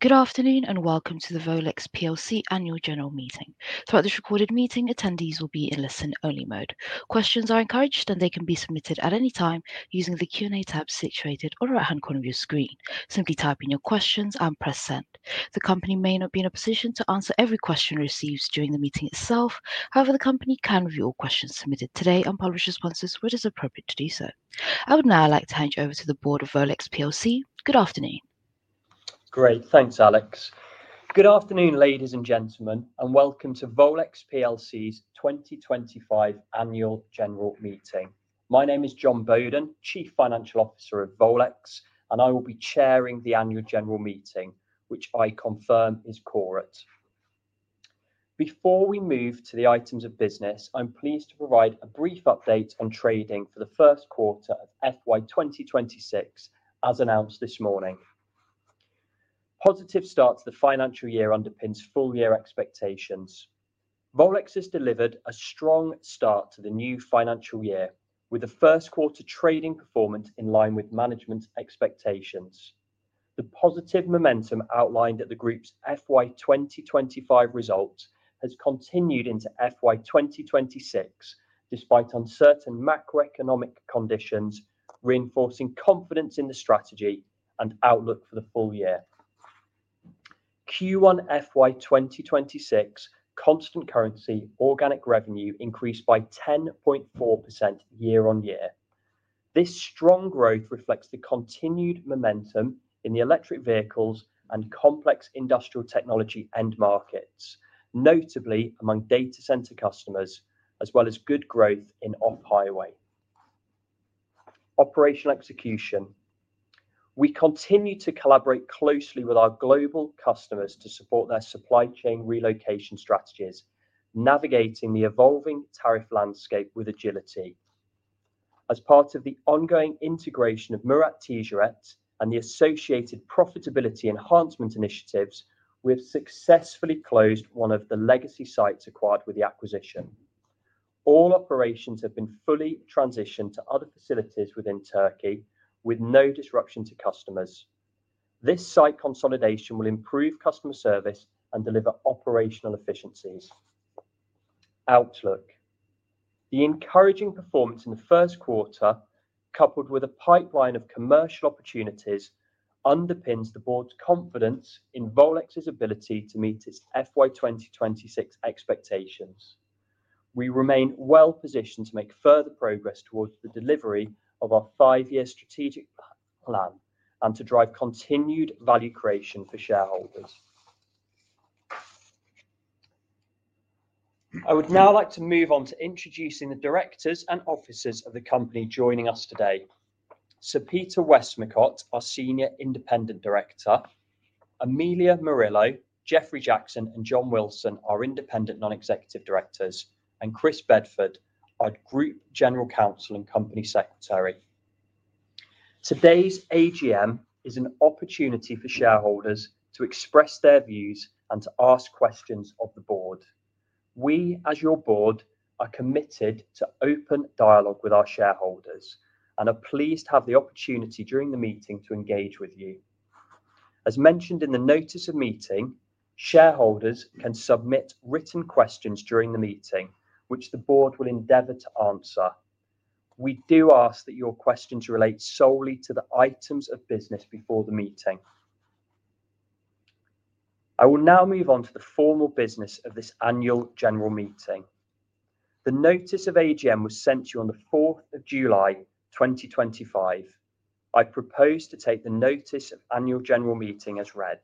Good afternoon and welcome to the Volex PLC Annual General Meeting. For this recorded meeting, attendees will be in listen-only mode. Questions are encouraged and they can be submitted at any time using the Q&A tab situated on the right-hand corner of your screen. Simply type in your questions and press send. The company may not be in a position to answer every question received during the meeting itself. However, the company can review all questions submitted today and publish responses where it is appropriate to do so. I would now like to hand you over to the board of Volex PLC. Good afternoon. Great, thanks, Alex. Good afternoon, ladies and gentlemen, and welcome to Volex PLC's 2025 Annual General Meeting. My name is John Bowden, Chief Financial Officer of Volex, and I will be chairing the Annual General Meeting, which I confirm is correct. Before we move to the items of business, I'm pleased to provide a brief update on trading for the first quarter of FY 2026, as announced this morning. Positive start to the financial year underpins full-year expectations. Volex has delivered a strong start to the new financial year, with the first quarter trading performance in line with management's expectations. The positive momentum outlined at the group's FY 2025 result has continued into FY 2026, despite uncertain macroeconomic conditions, reinforcing confidence in the strategy and outlook for the full year. Q1 FY 2026 constant currency organic revenue increased by 10.4% year-on-year. This strong growth reflects the continued momentum in the electric vehicles and complex industrial technology end markets, notably among data center customers, as well as good growth in ONP Highway. Operational execution: We continue to collaborate closely with our global customers to support their supply chain relocation strategies, navigating the evolving tariff landscape with agility. As part of the ongoing integration of Murat Ticaret and the associated profitability enhancement initiatives, we have successfully closed one of the legacy sites acquired with the acquisition. All operations have been fully transitioned to other facilities within Turkey, with no disruption to customers. This site consolidation will improve customer service and deliver operational efficiencies. Outlook: The encouraging performance in the first quarter, coupled with a pipeline of commercial opportunities, underpins the board's confidence in Volex's ability to meet its FY 2026 expectations. We remain well-positioned to make further progress towards the delivery of our five-year strategic plan and to drive continued value creation for shareholders. I would now like to move on to introducing the directors and officers of the company joining us today: Sir Peter Westmacott, our Senior Independent Director; Amelia Murillo, Jeffrey Jackson, and John Wilson, our Independent Non-Executive Directors; and Chris Bedford, our Group General Counsel and Company Secretary. Today's AGM is an opportunity for shareholders to express their views and to ask questions of the board. We, as your board, are committed to open dialogue with our shareholders and are pleased to have the opportunity during the meeting to engage with you. As mentioned in the notice of meeting, shareholders can submit written questions during the meeting, which the board will endeavor to answer. We do ask that your questions relate solely to the items of business before the meeting. I will now move on to the formal business of this Annual General Meeting. The notice of AGM was sent to you on the 4th of July 2025. I propose to take the notice of Annual General Meeting as read.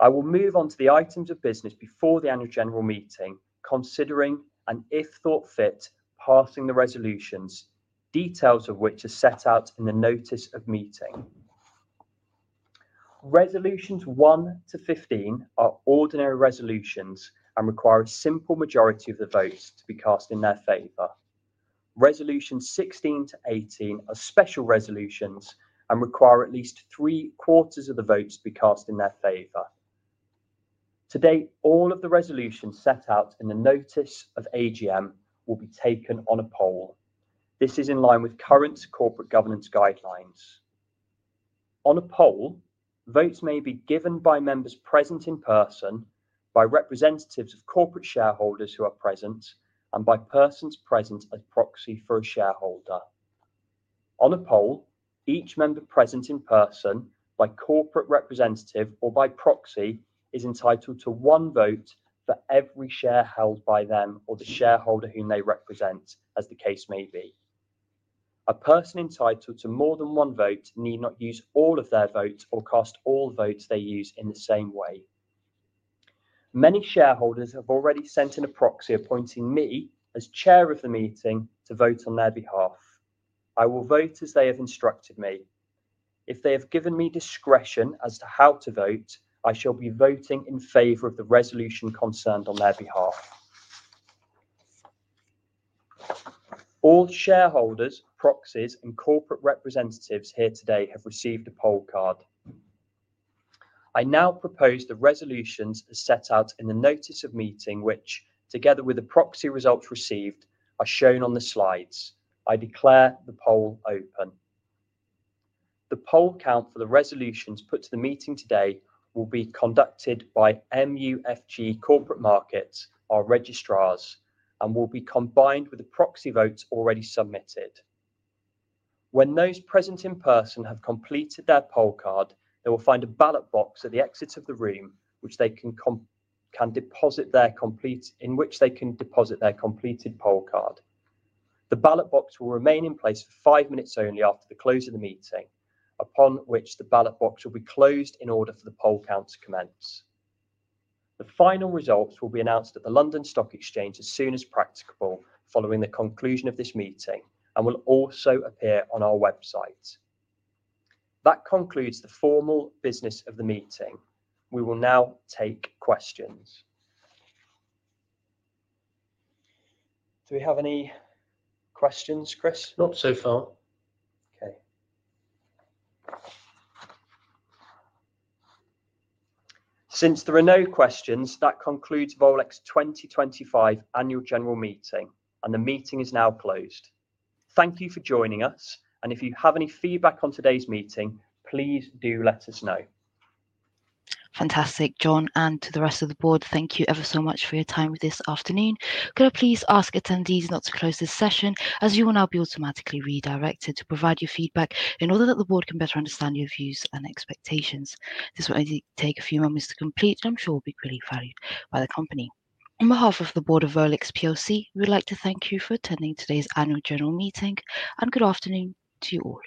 I will move on to the items of business before the Annual General Meeting, considering and, if thought fit, passing the resolutions, details of which are set out in the notice of meeting. Resolutions 1-15 are ordinary resolutions and require a simple majority of the votes to be cast in their favor. Resolutions 16-18 are special resolutions and require at least three-quarters of the votes to be cast in their favor. Today, all of the resolutions set out in the notice of AGM will be taken on a poll. This is in line with current corporate governance standards. On a poll, votes may be given by members present in person, by representatives of corporate shareholders who are present, and by persons present as proxy for a shareholder. On a poll, each member present in person, by corporate representative or by proxy, is entitled to one vote for every share held by them or the shareholder whom they represent, as the case may be. A person entitled to more than one vote need not use all of their votes or cast all votes they use in the same way. Many shareholders have already sent in a proxy appointing me as Chair of the meeting to vote on their behalf. I will vote as they have instructed me. If they have given me discretion as to how to vote, I shall be voting in favor of the resolution concerned on their behalf. All shareholders, proxies, and corporate representatives here today have received a poll card. I now propose the resolutions as set out in the notice of meeting, which, together with the proxy results received, are shown on the slides. I declare the poll open. The poll count for the resolutions put to the meeting today will be conducted by MUFG Corporate Markets, our registrars, and will be combined with the proxy votes already submitted. When those present in person have completed their poll card, they will find a ballot box at the exit of the room, where they can deposit their completed poll card. The ballot box will remain in place for five minutes only after the close of the meeting, at which point the ballot box will be closed in order for the poll count to commence. The final results will be announced at the London Stock Exchange as soon as practicable following the conclusion of this meeting, and will also appear on our website. That concludes the formal business of the meeting. We will now take questions. Do we have any questions, Chris? Not so far. Since there are no questions, that concludes Volex 2025 Annual General Meeting, and the meeting is now closed. Thank you for joining us, and if you have any feedback on today's meeting, please do let us know. Fantastic, John, and to the rest of the board, thank you ever so much for your time this afternoon. Could I please ask attendees not to close this session, as you will now be automatically redirected to provide your feedback in order that the board can better understand your views and expectations. This will only take a few moments to complete, and I'm sure will be greatly valued by the company. On behalf of the board of Volex PLC, we would like to thank you for attending today's Annual General Meeting, and good afternoon to you all.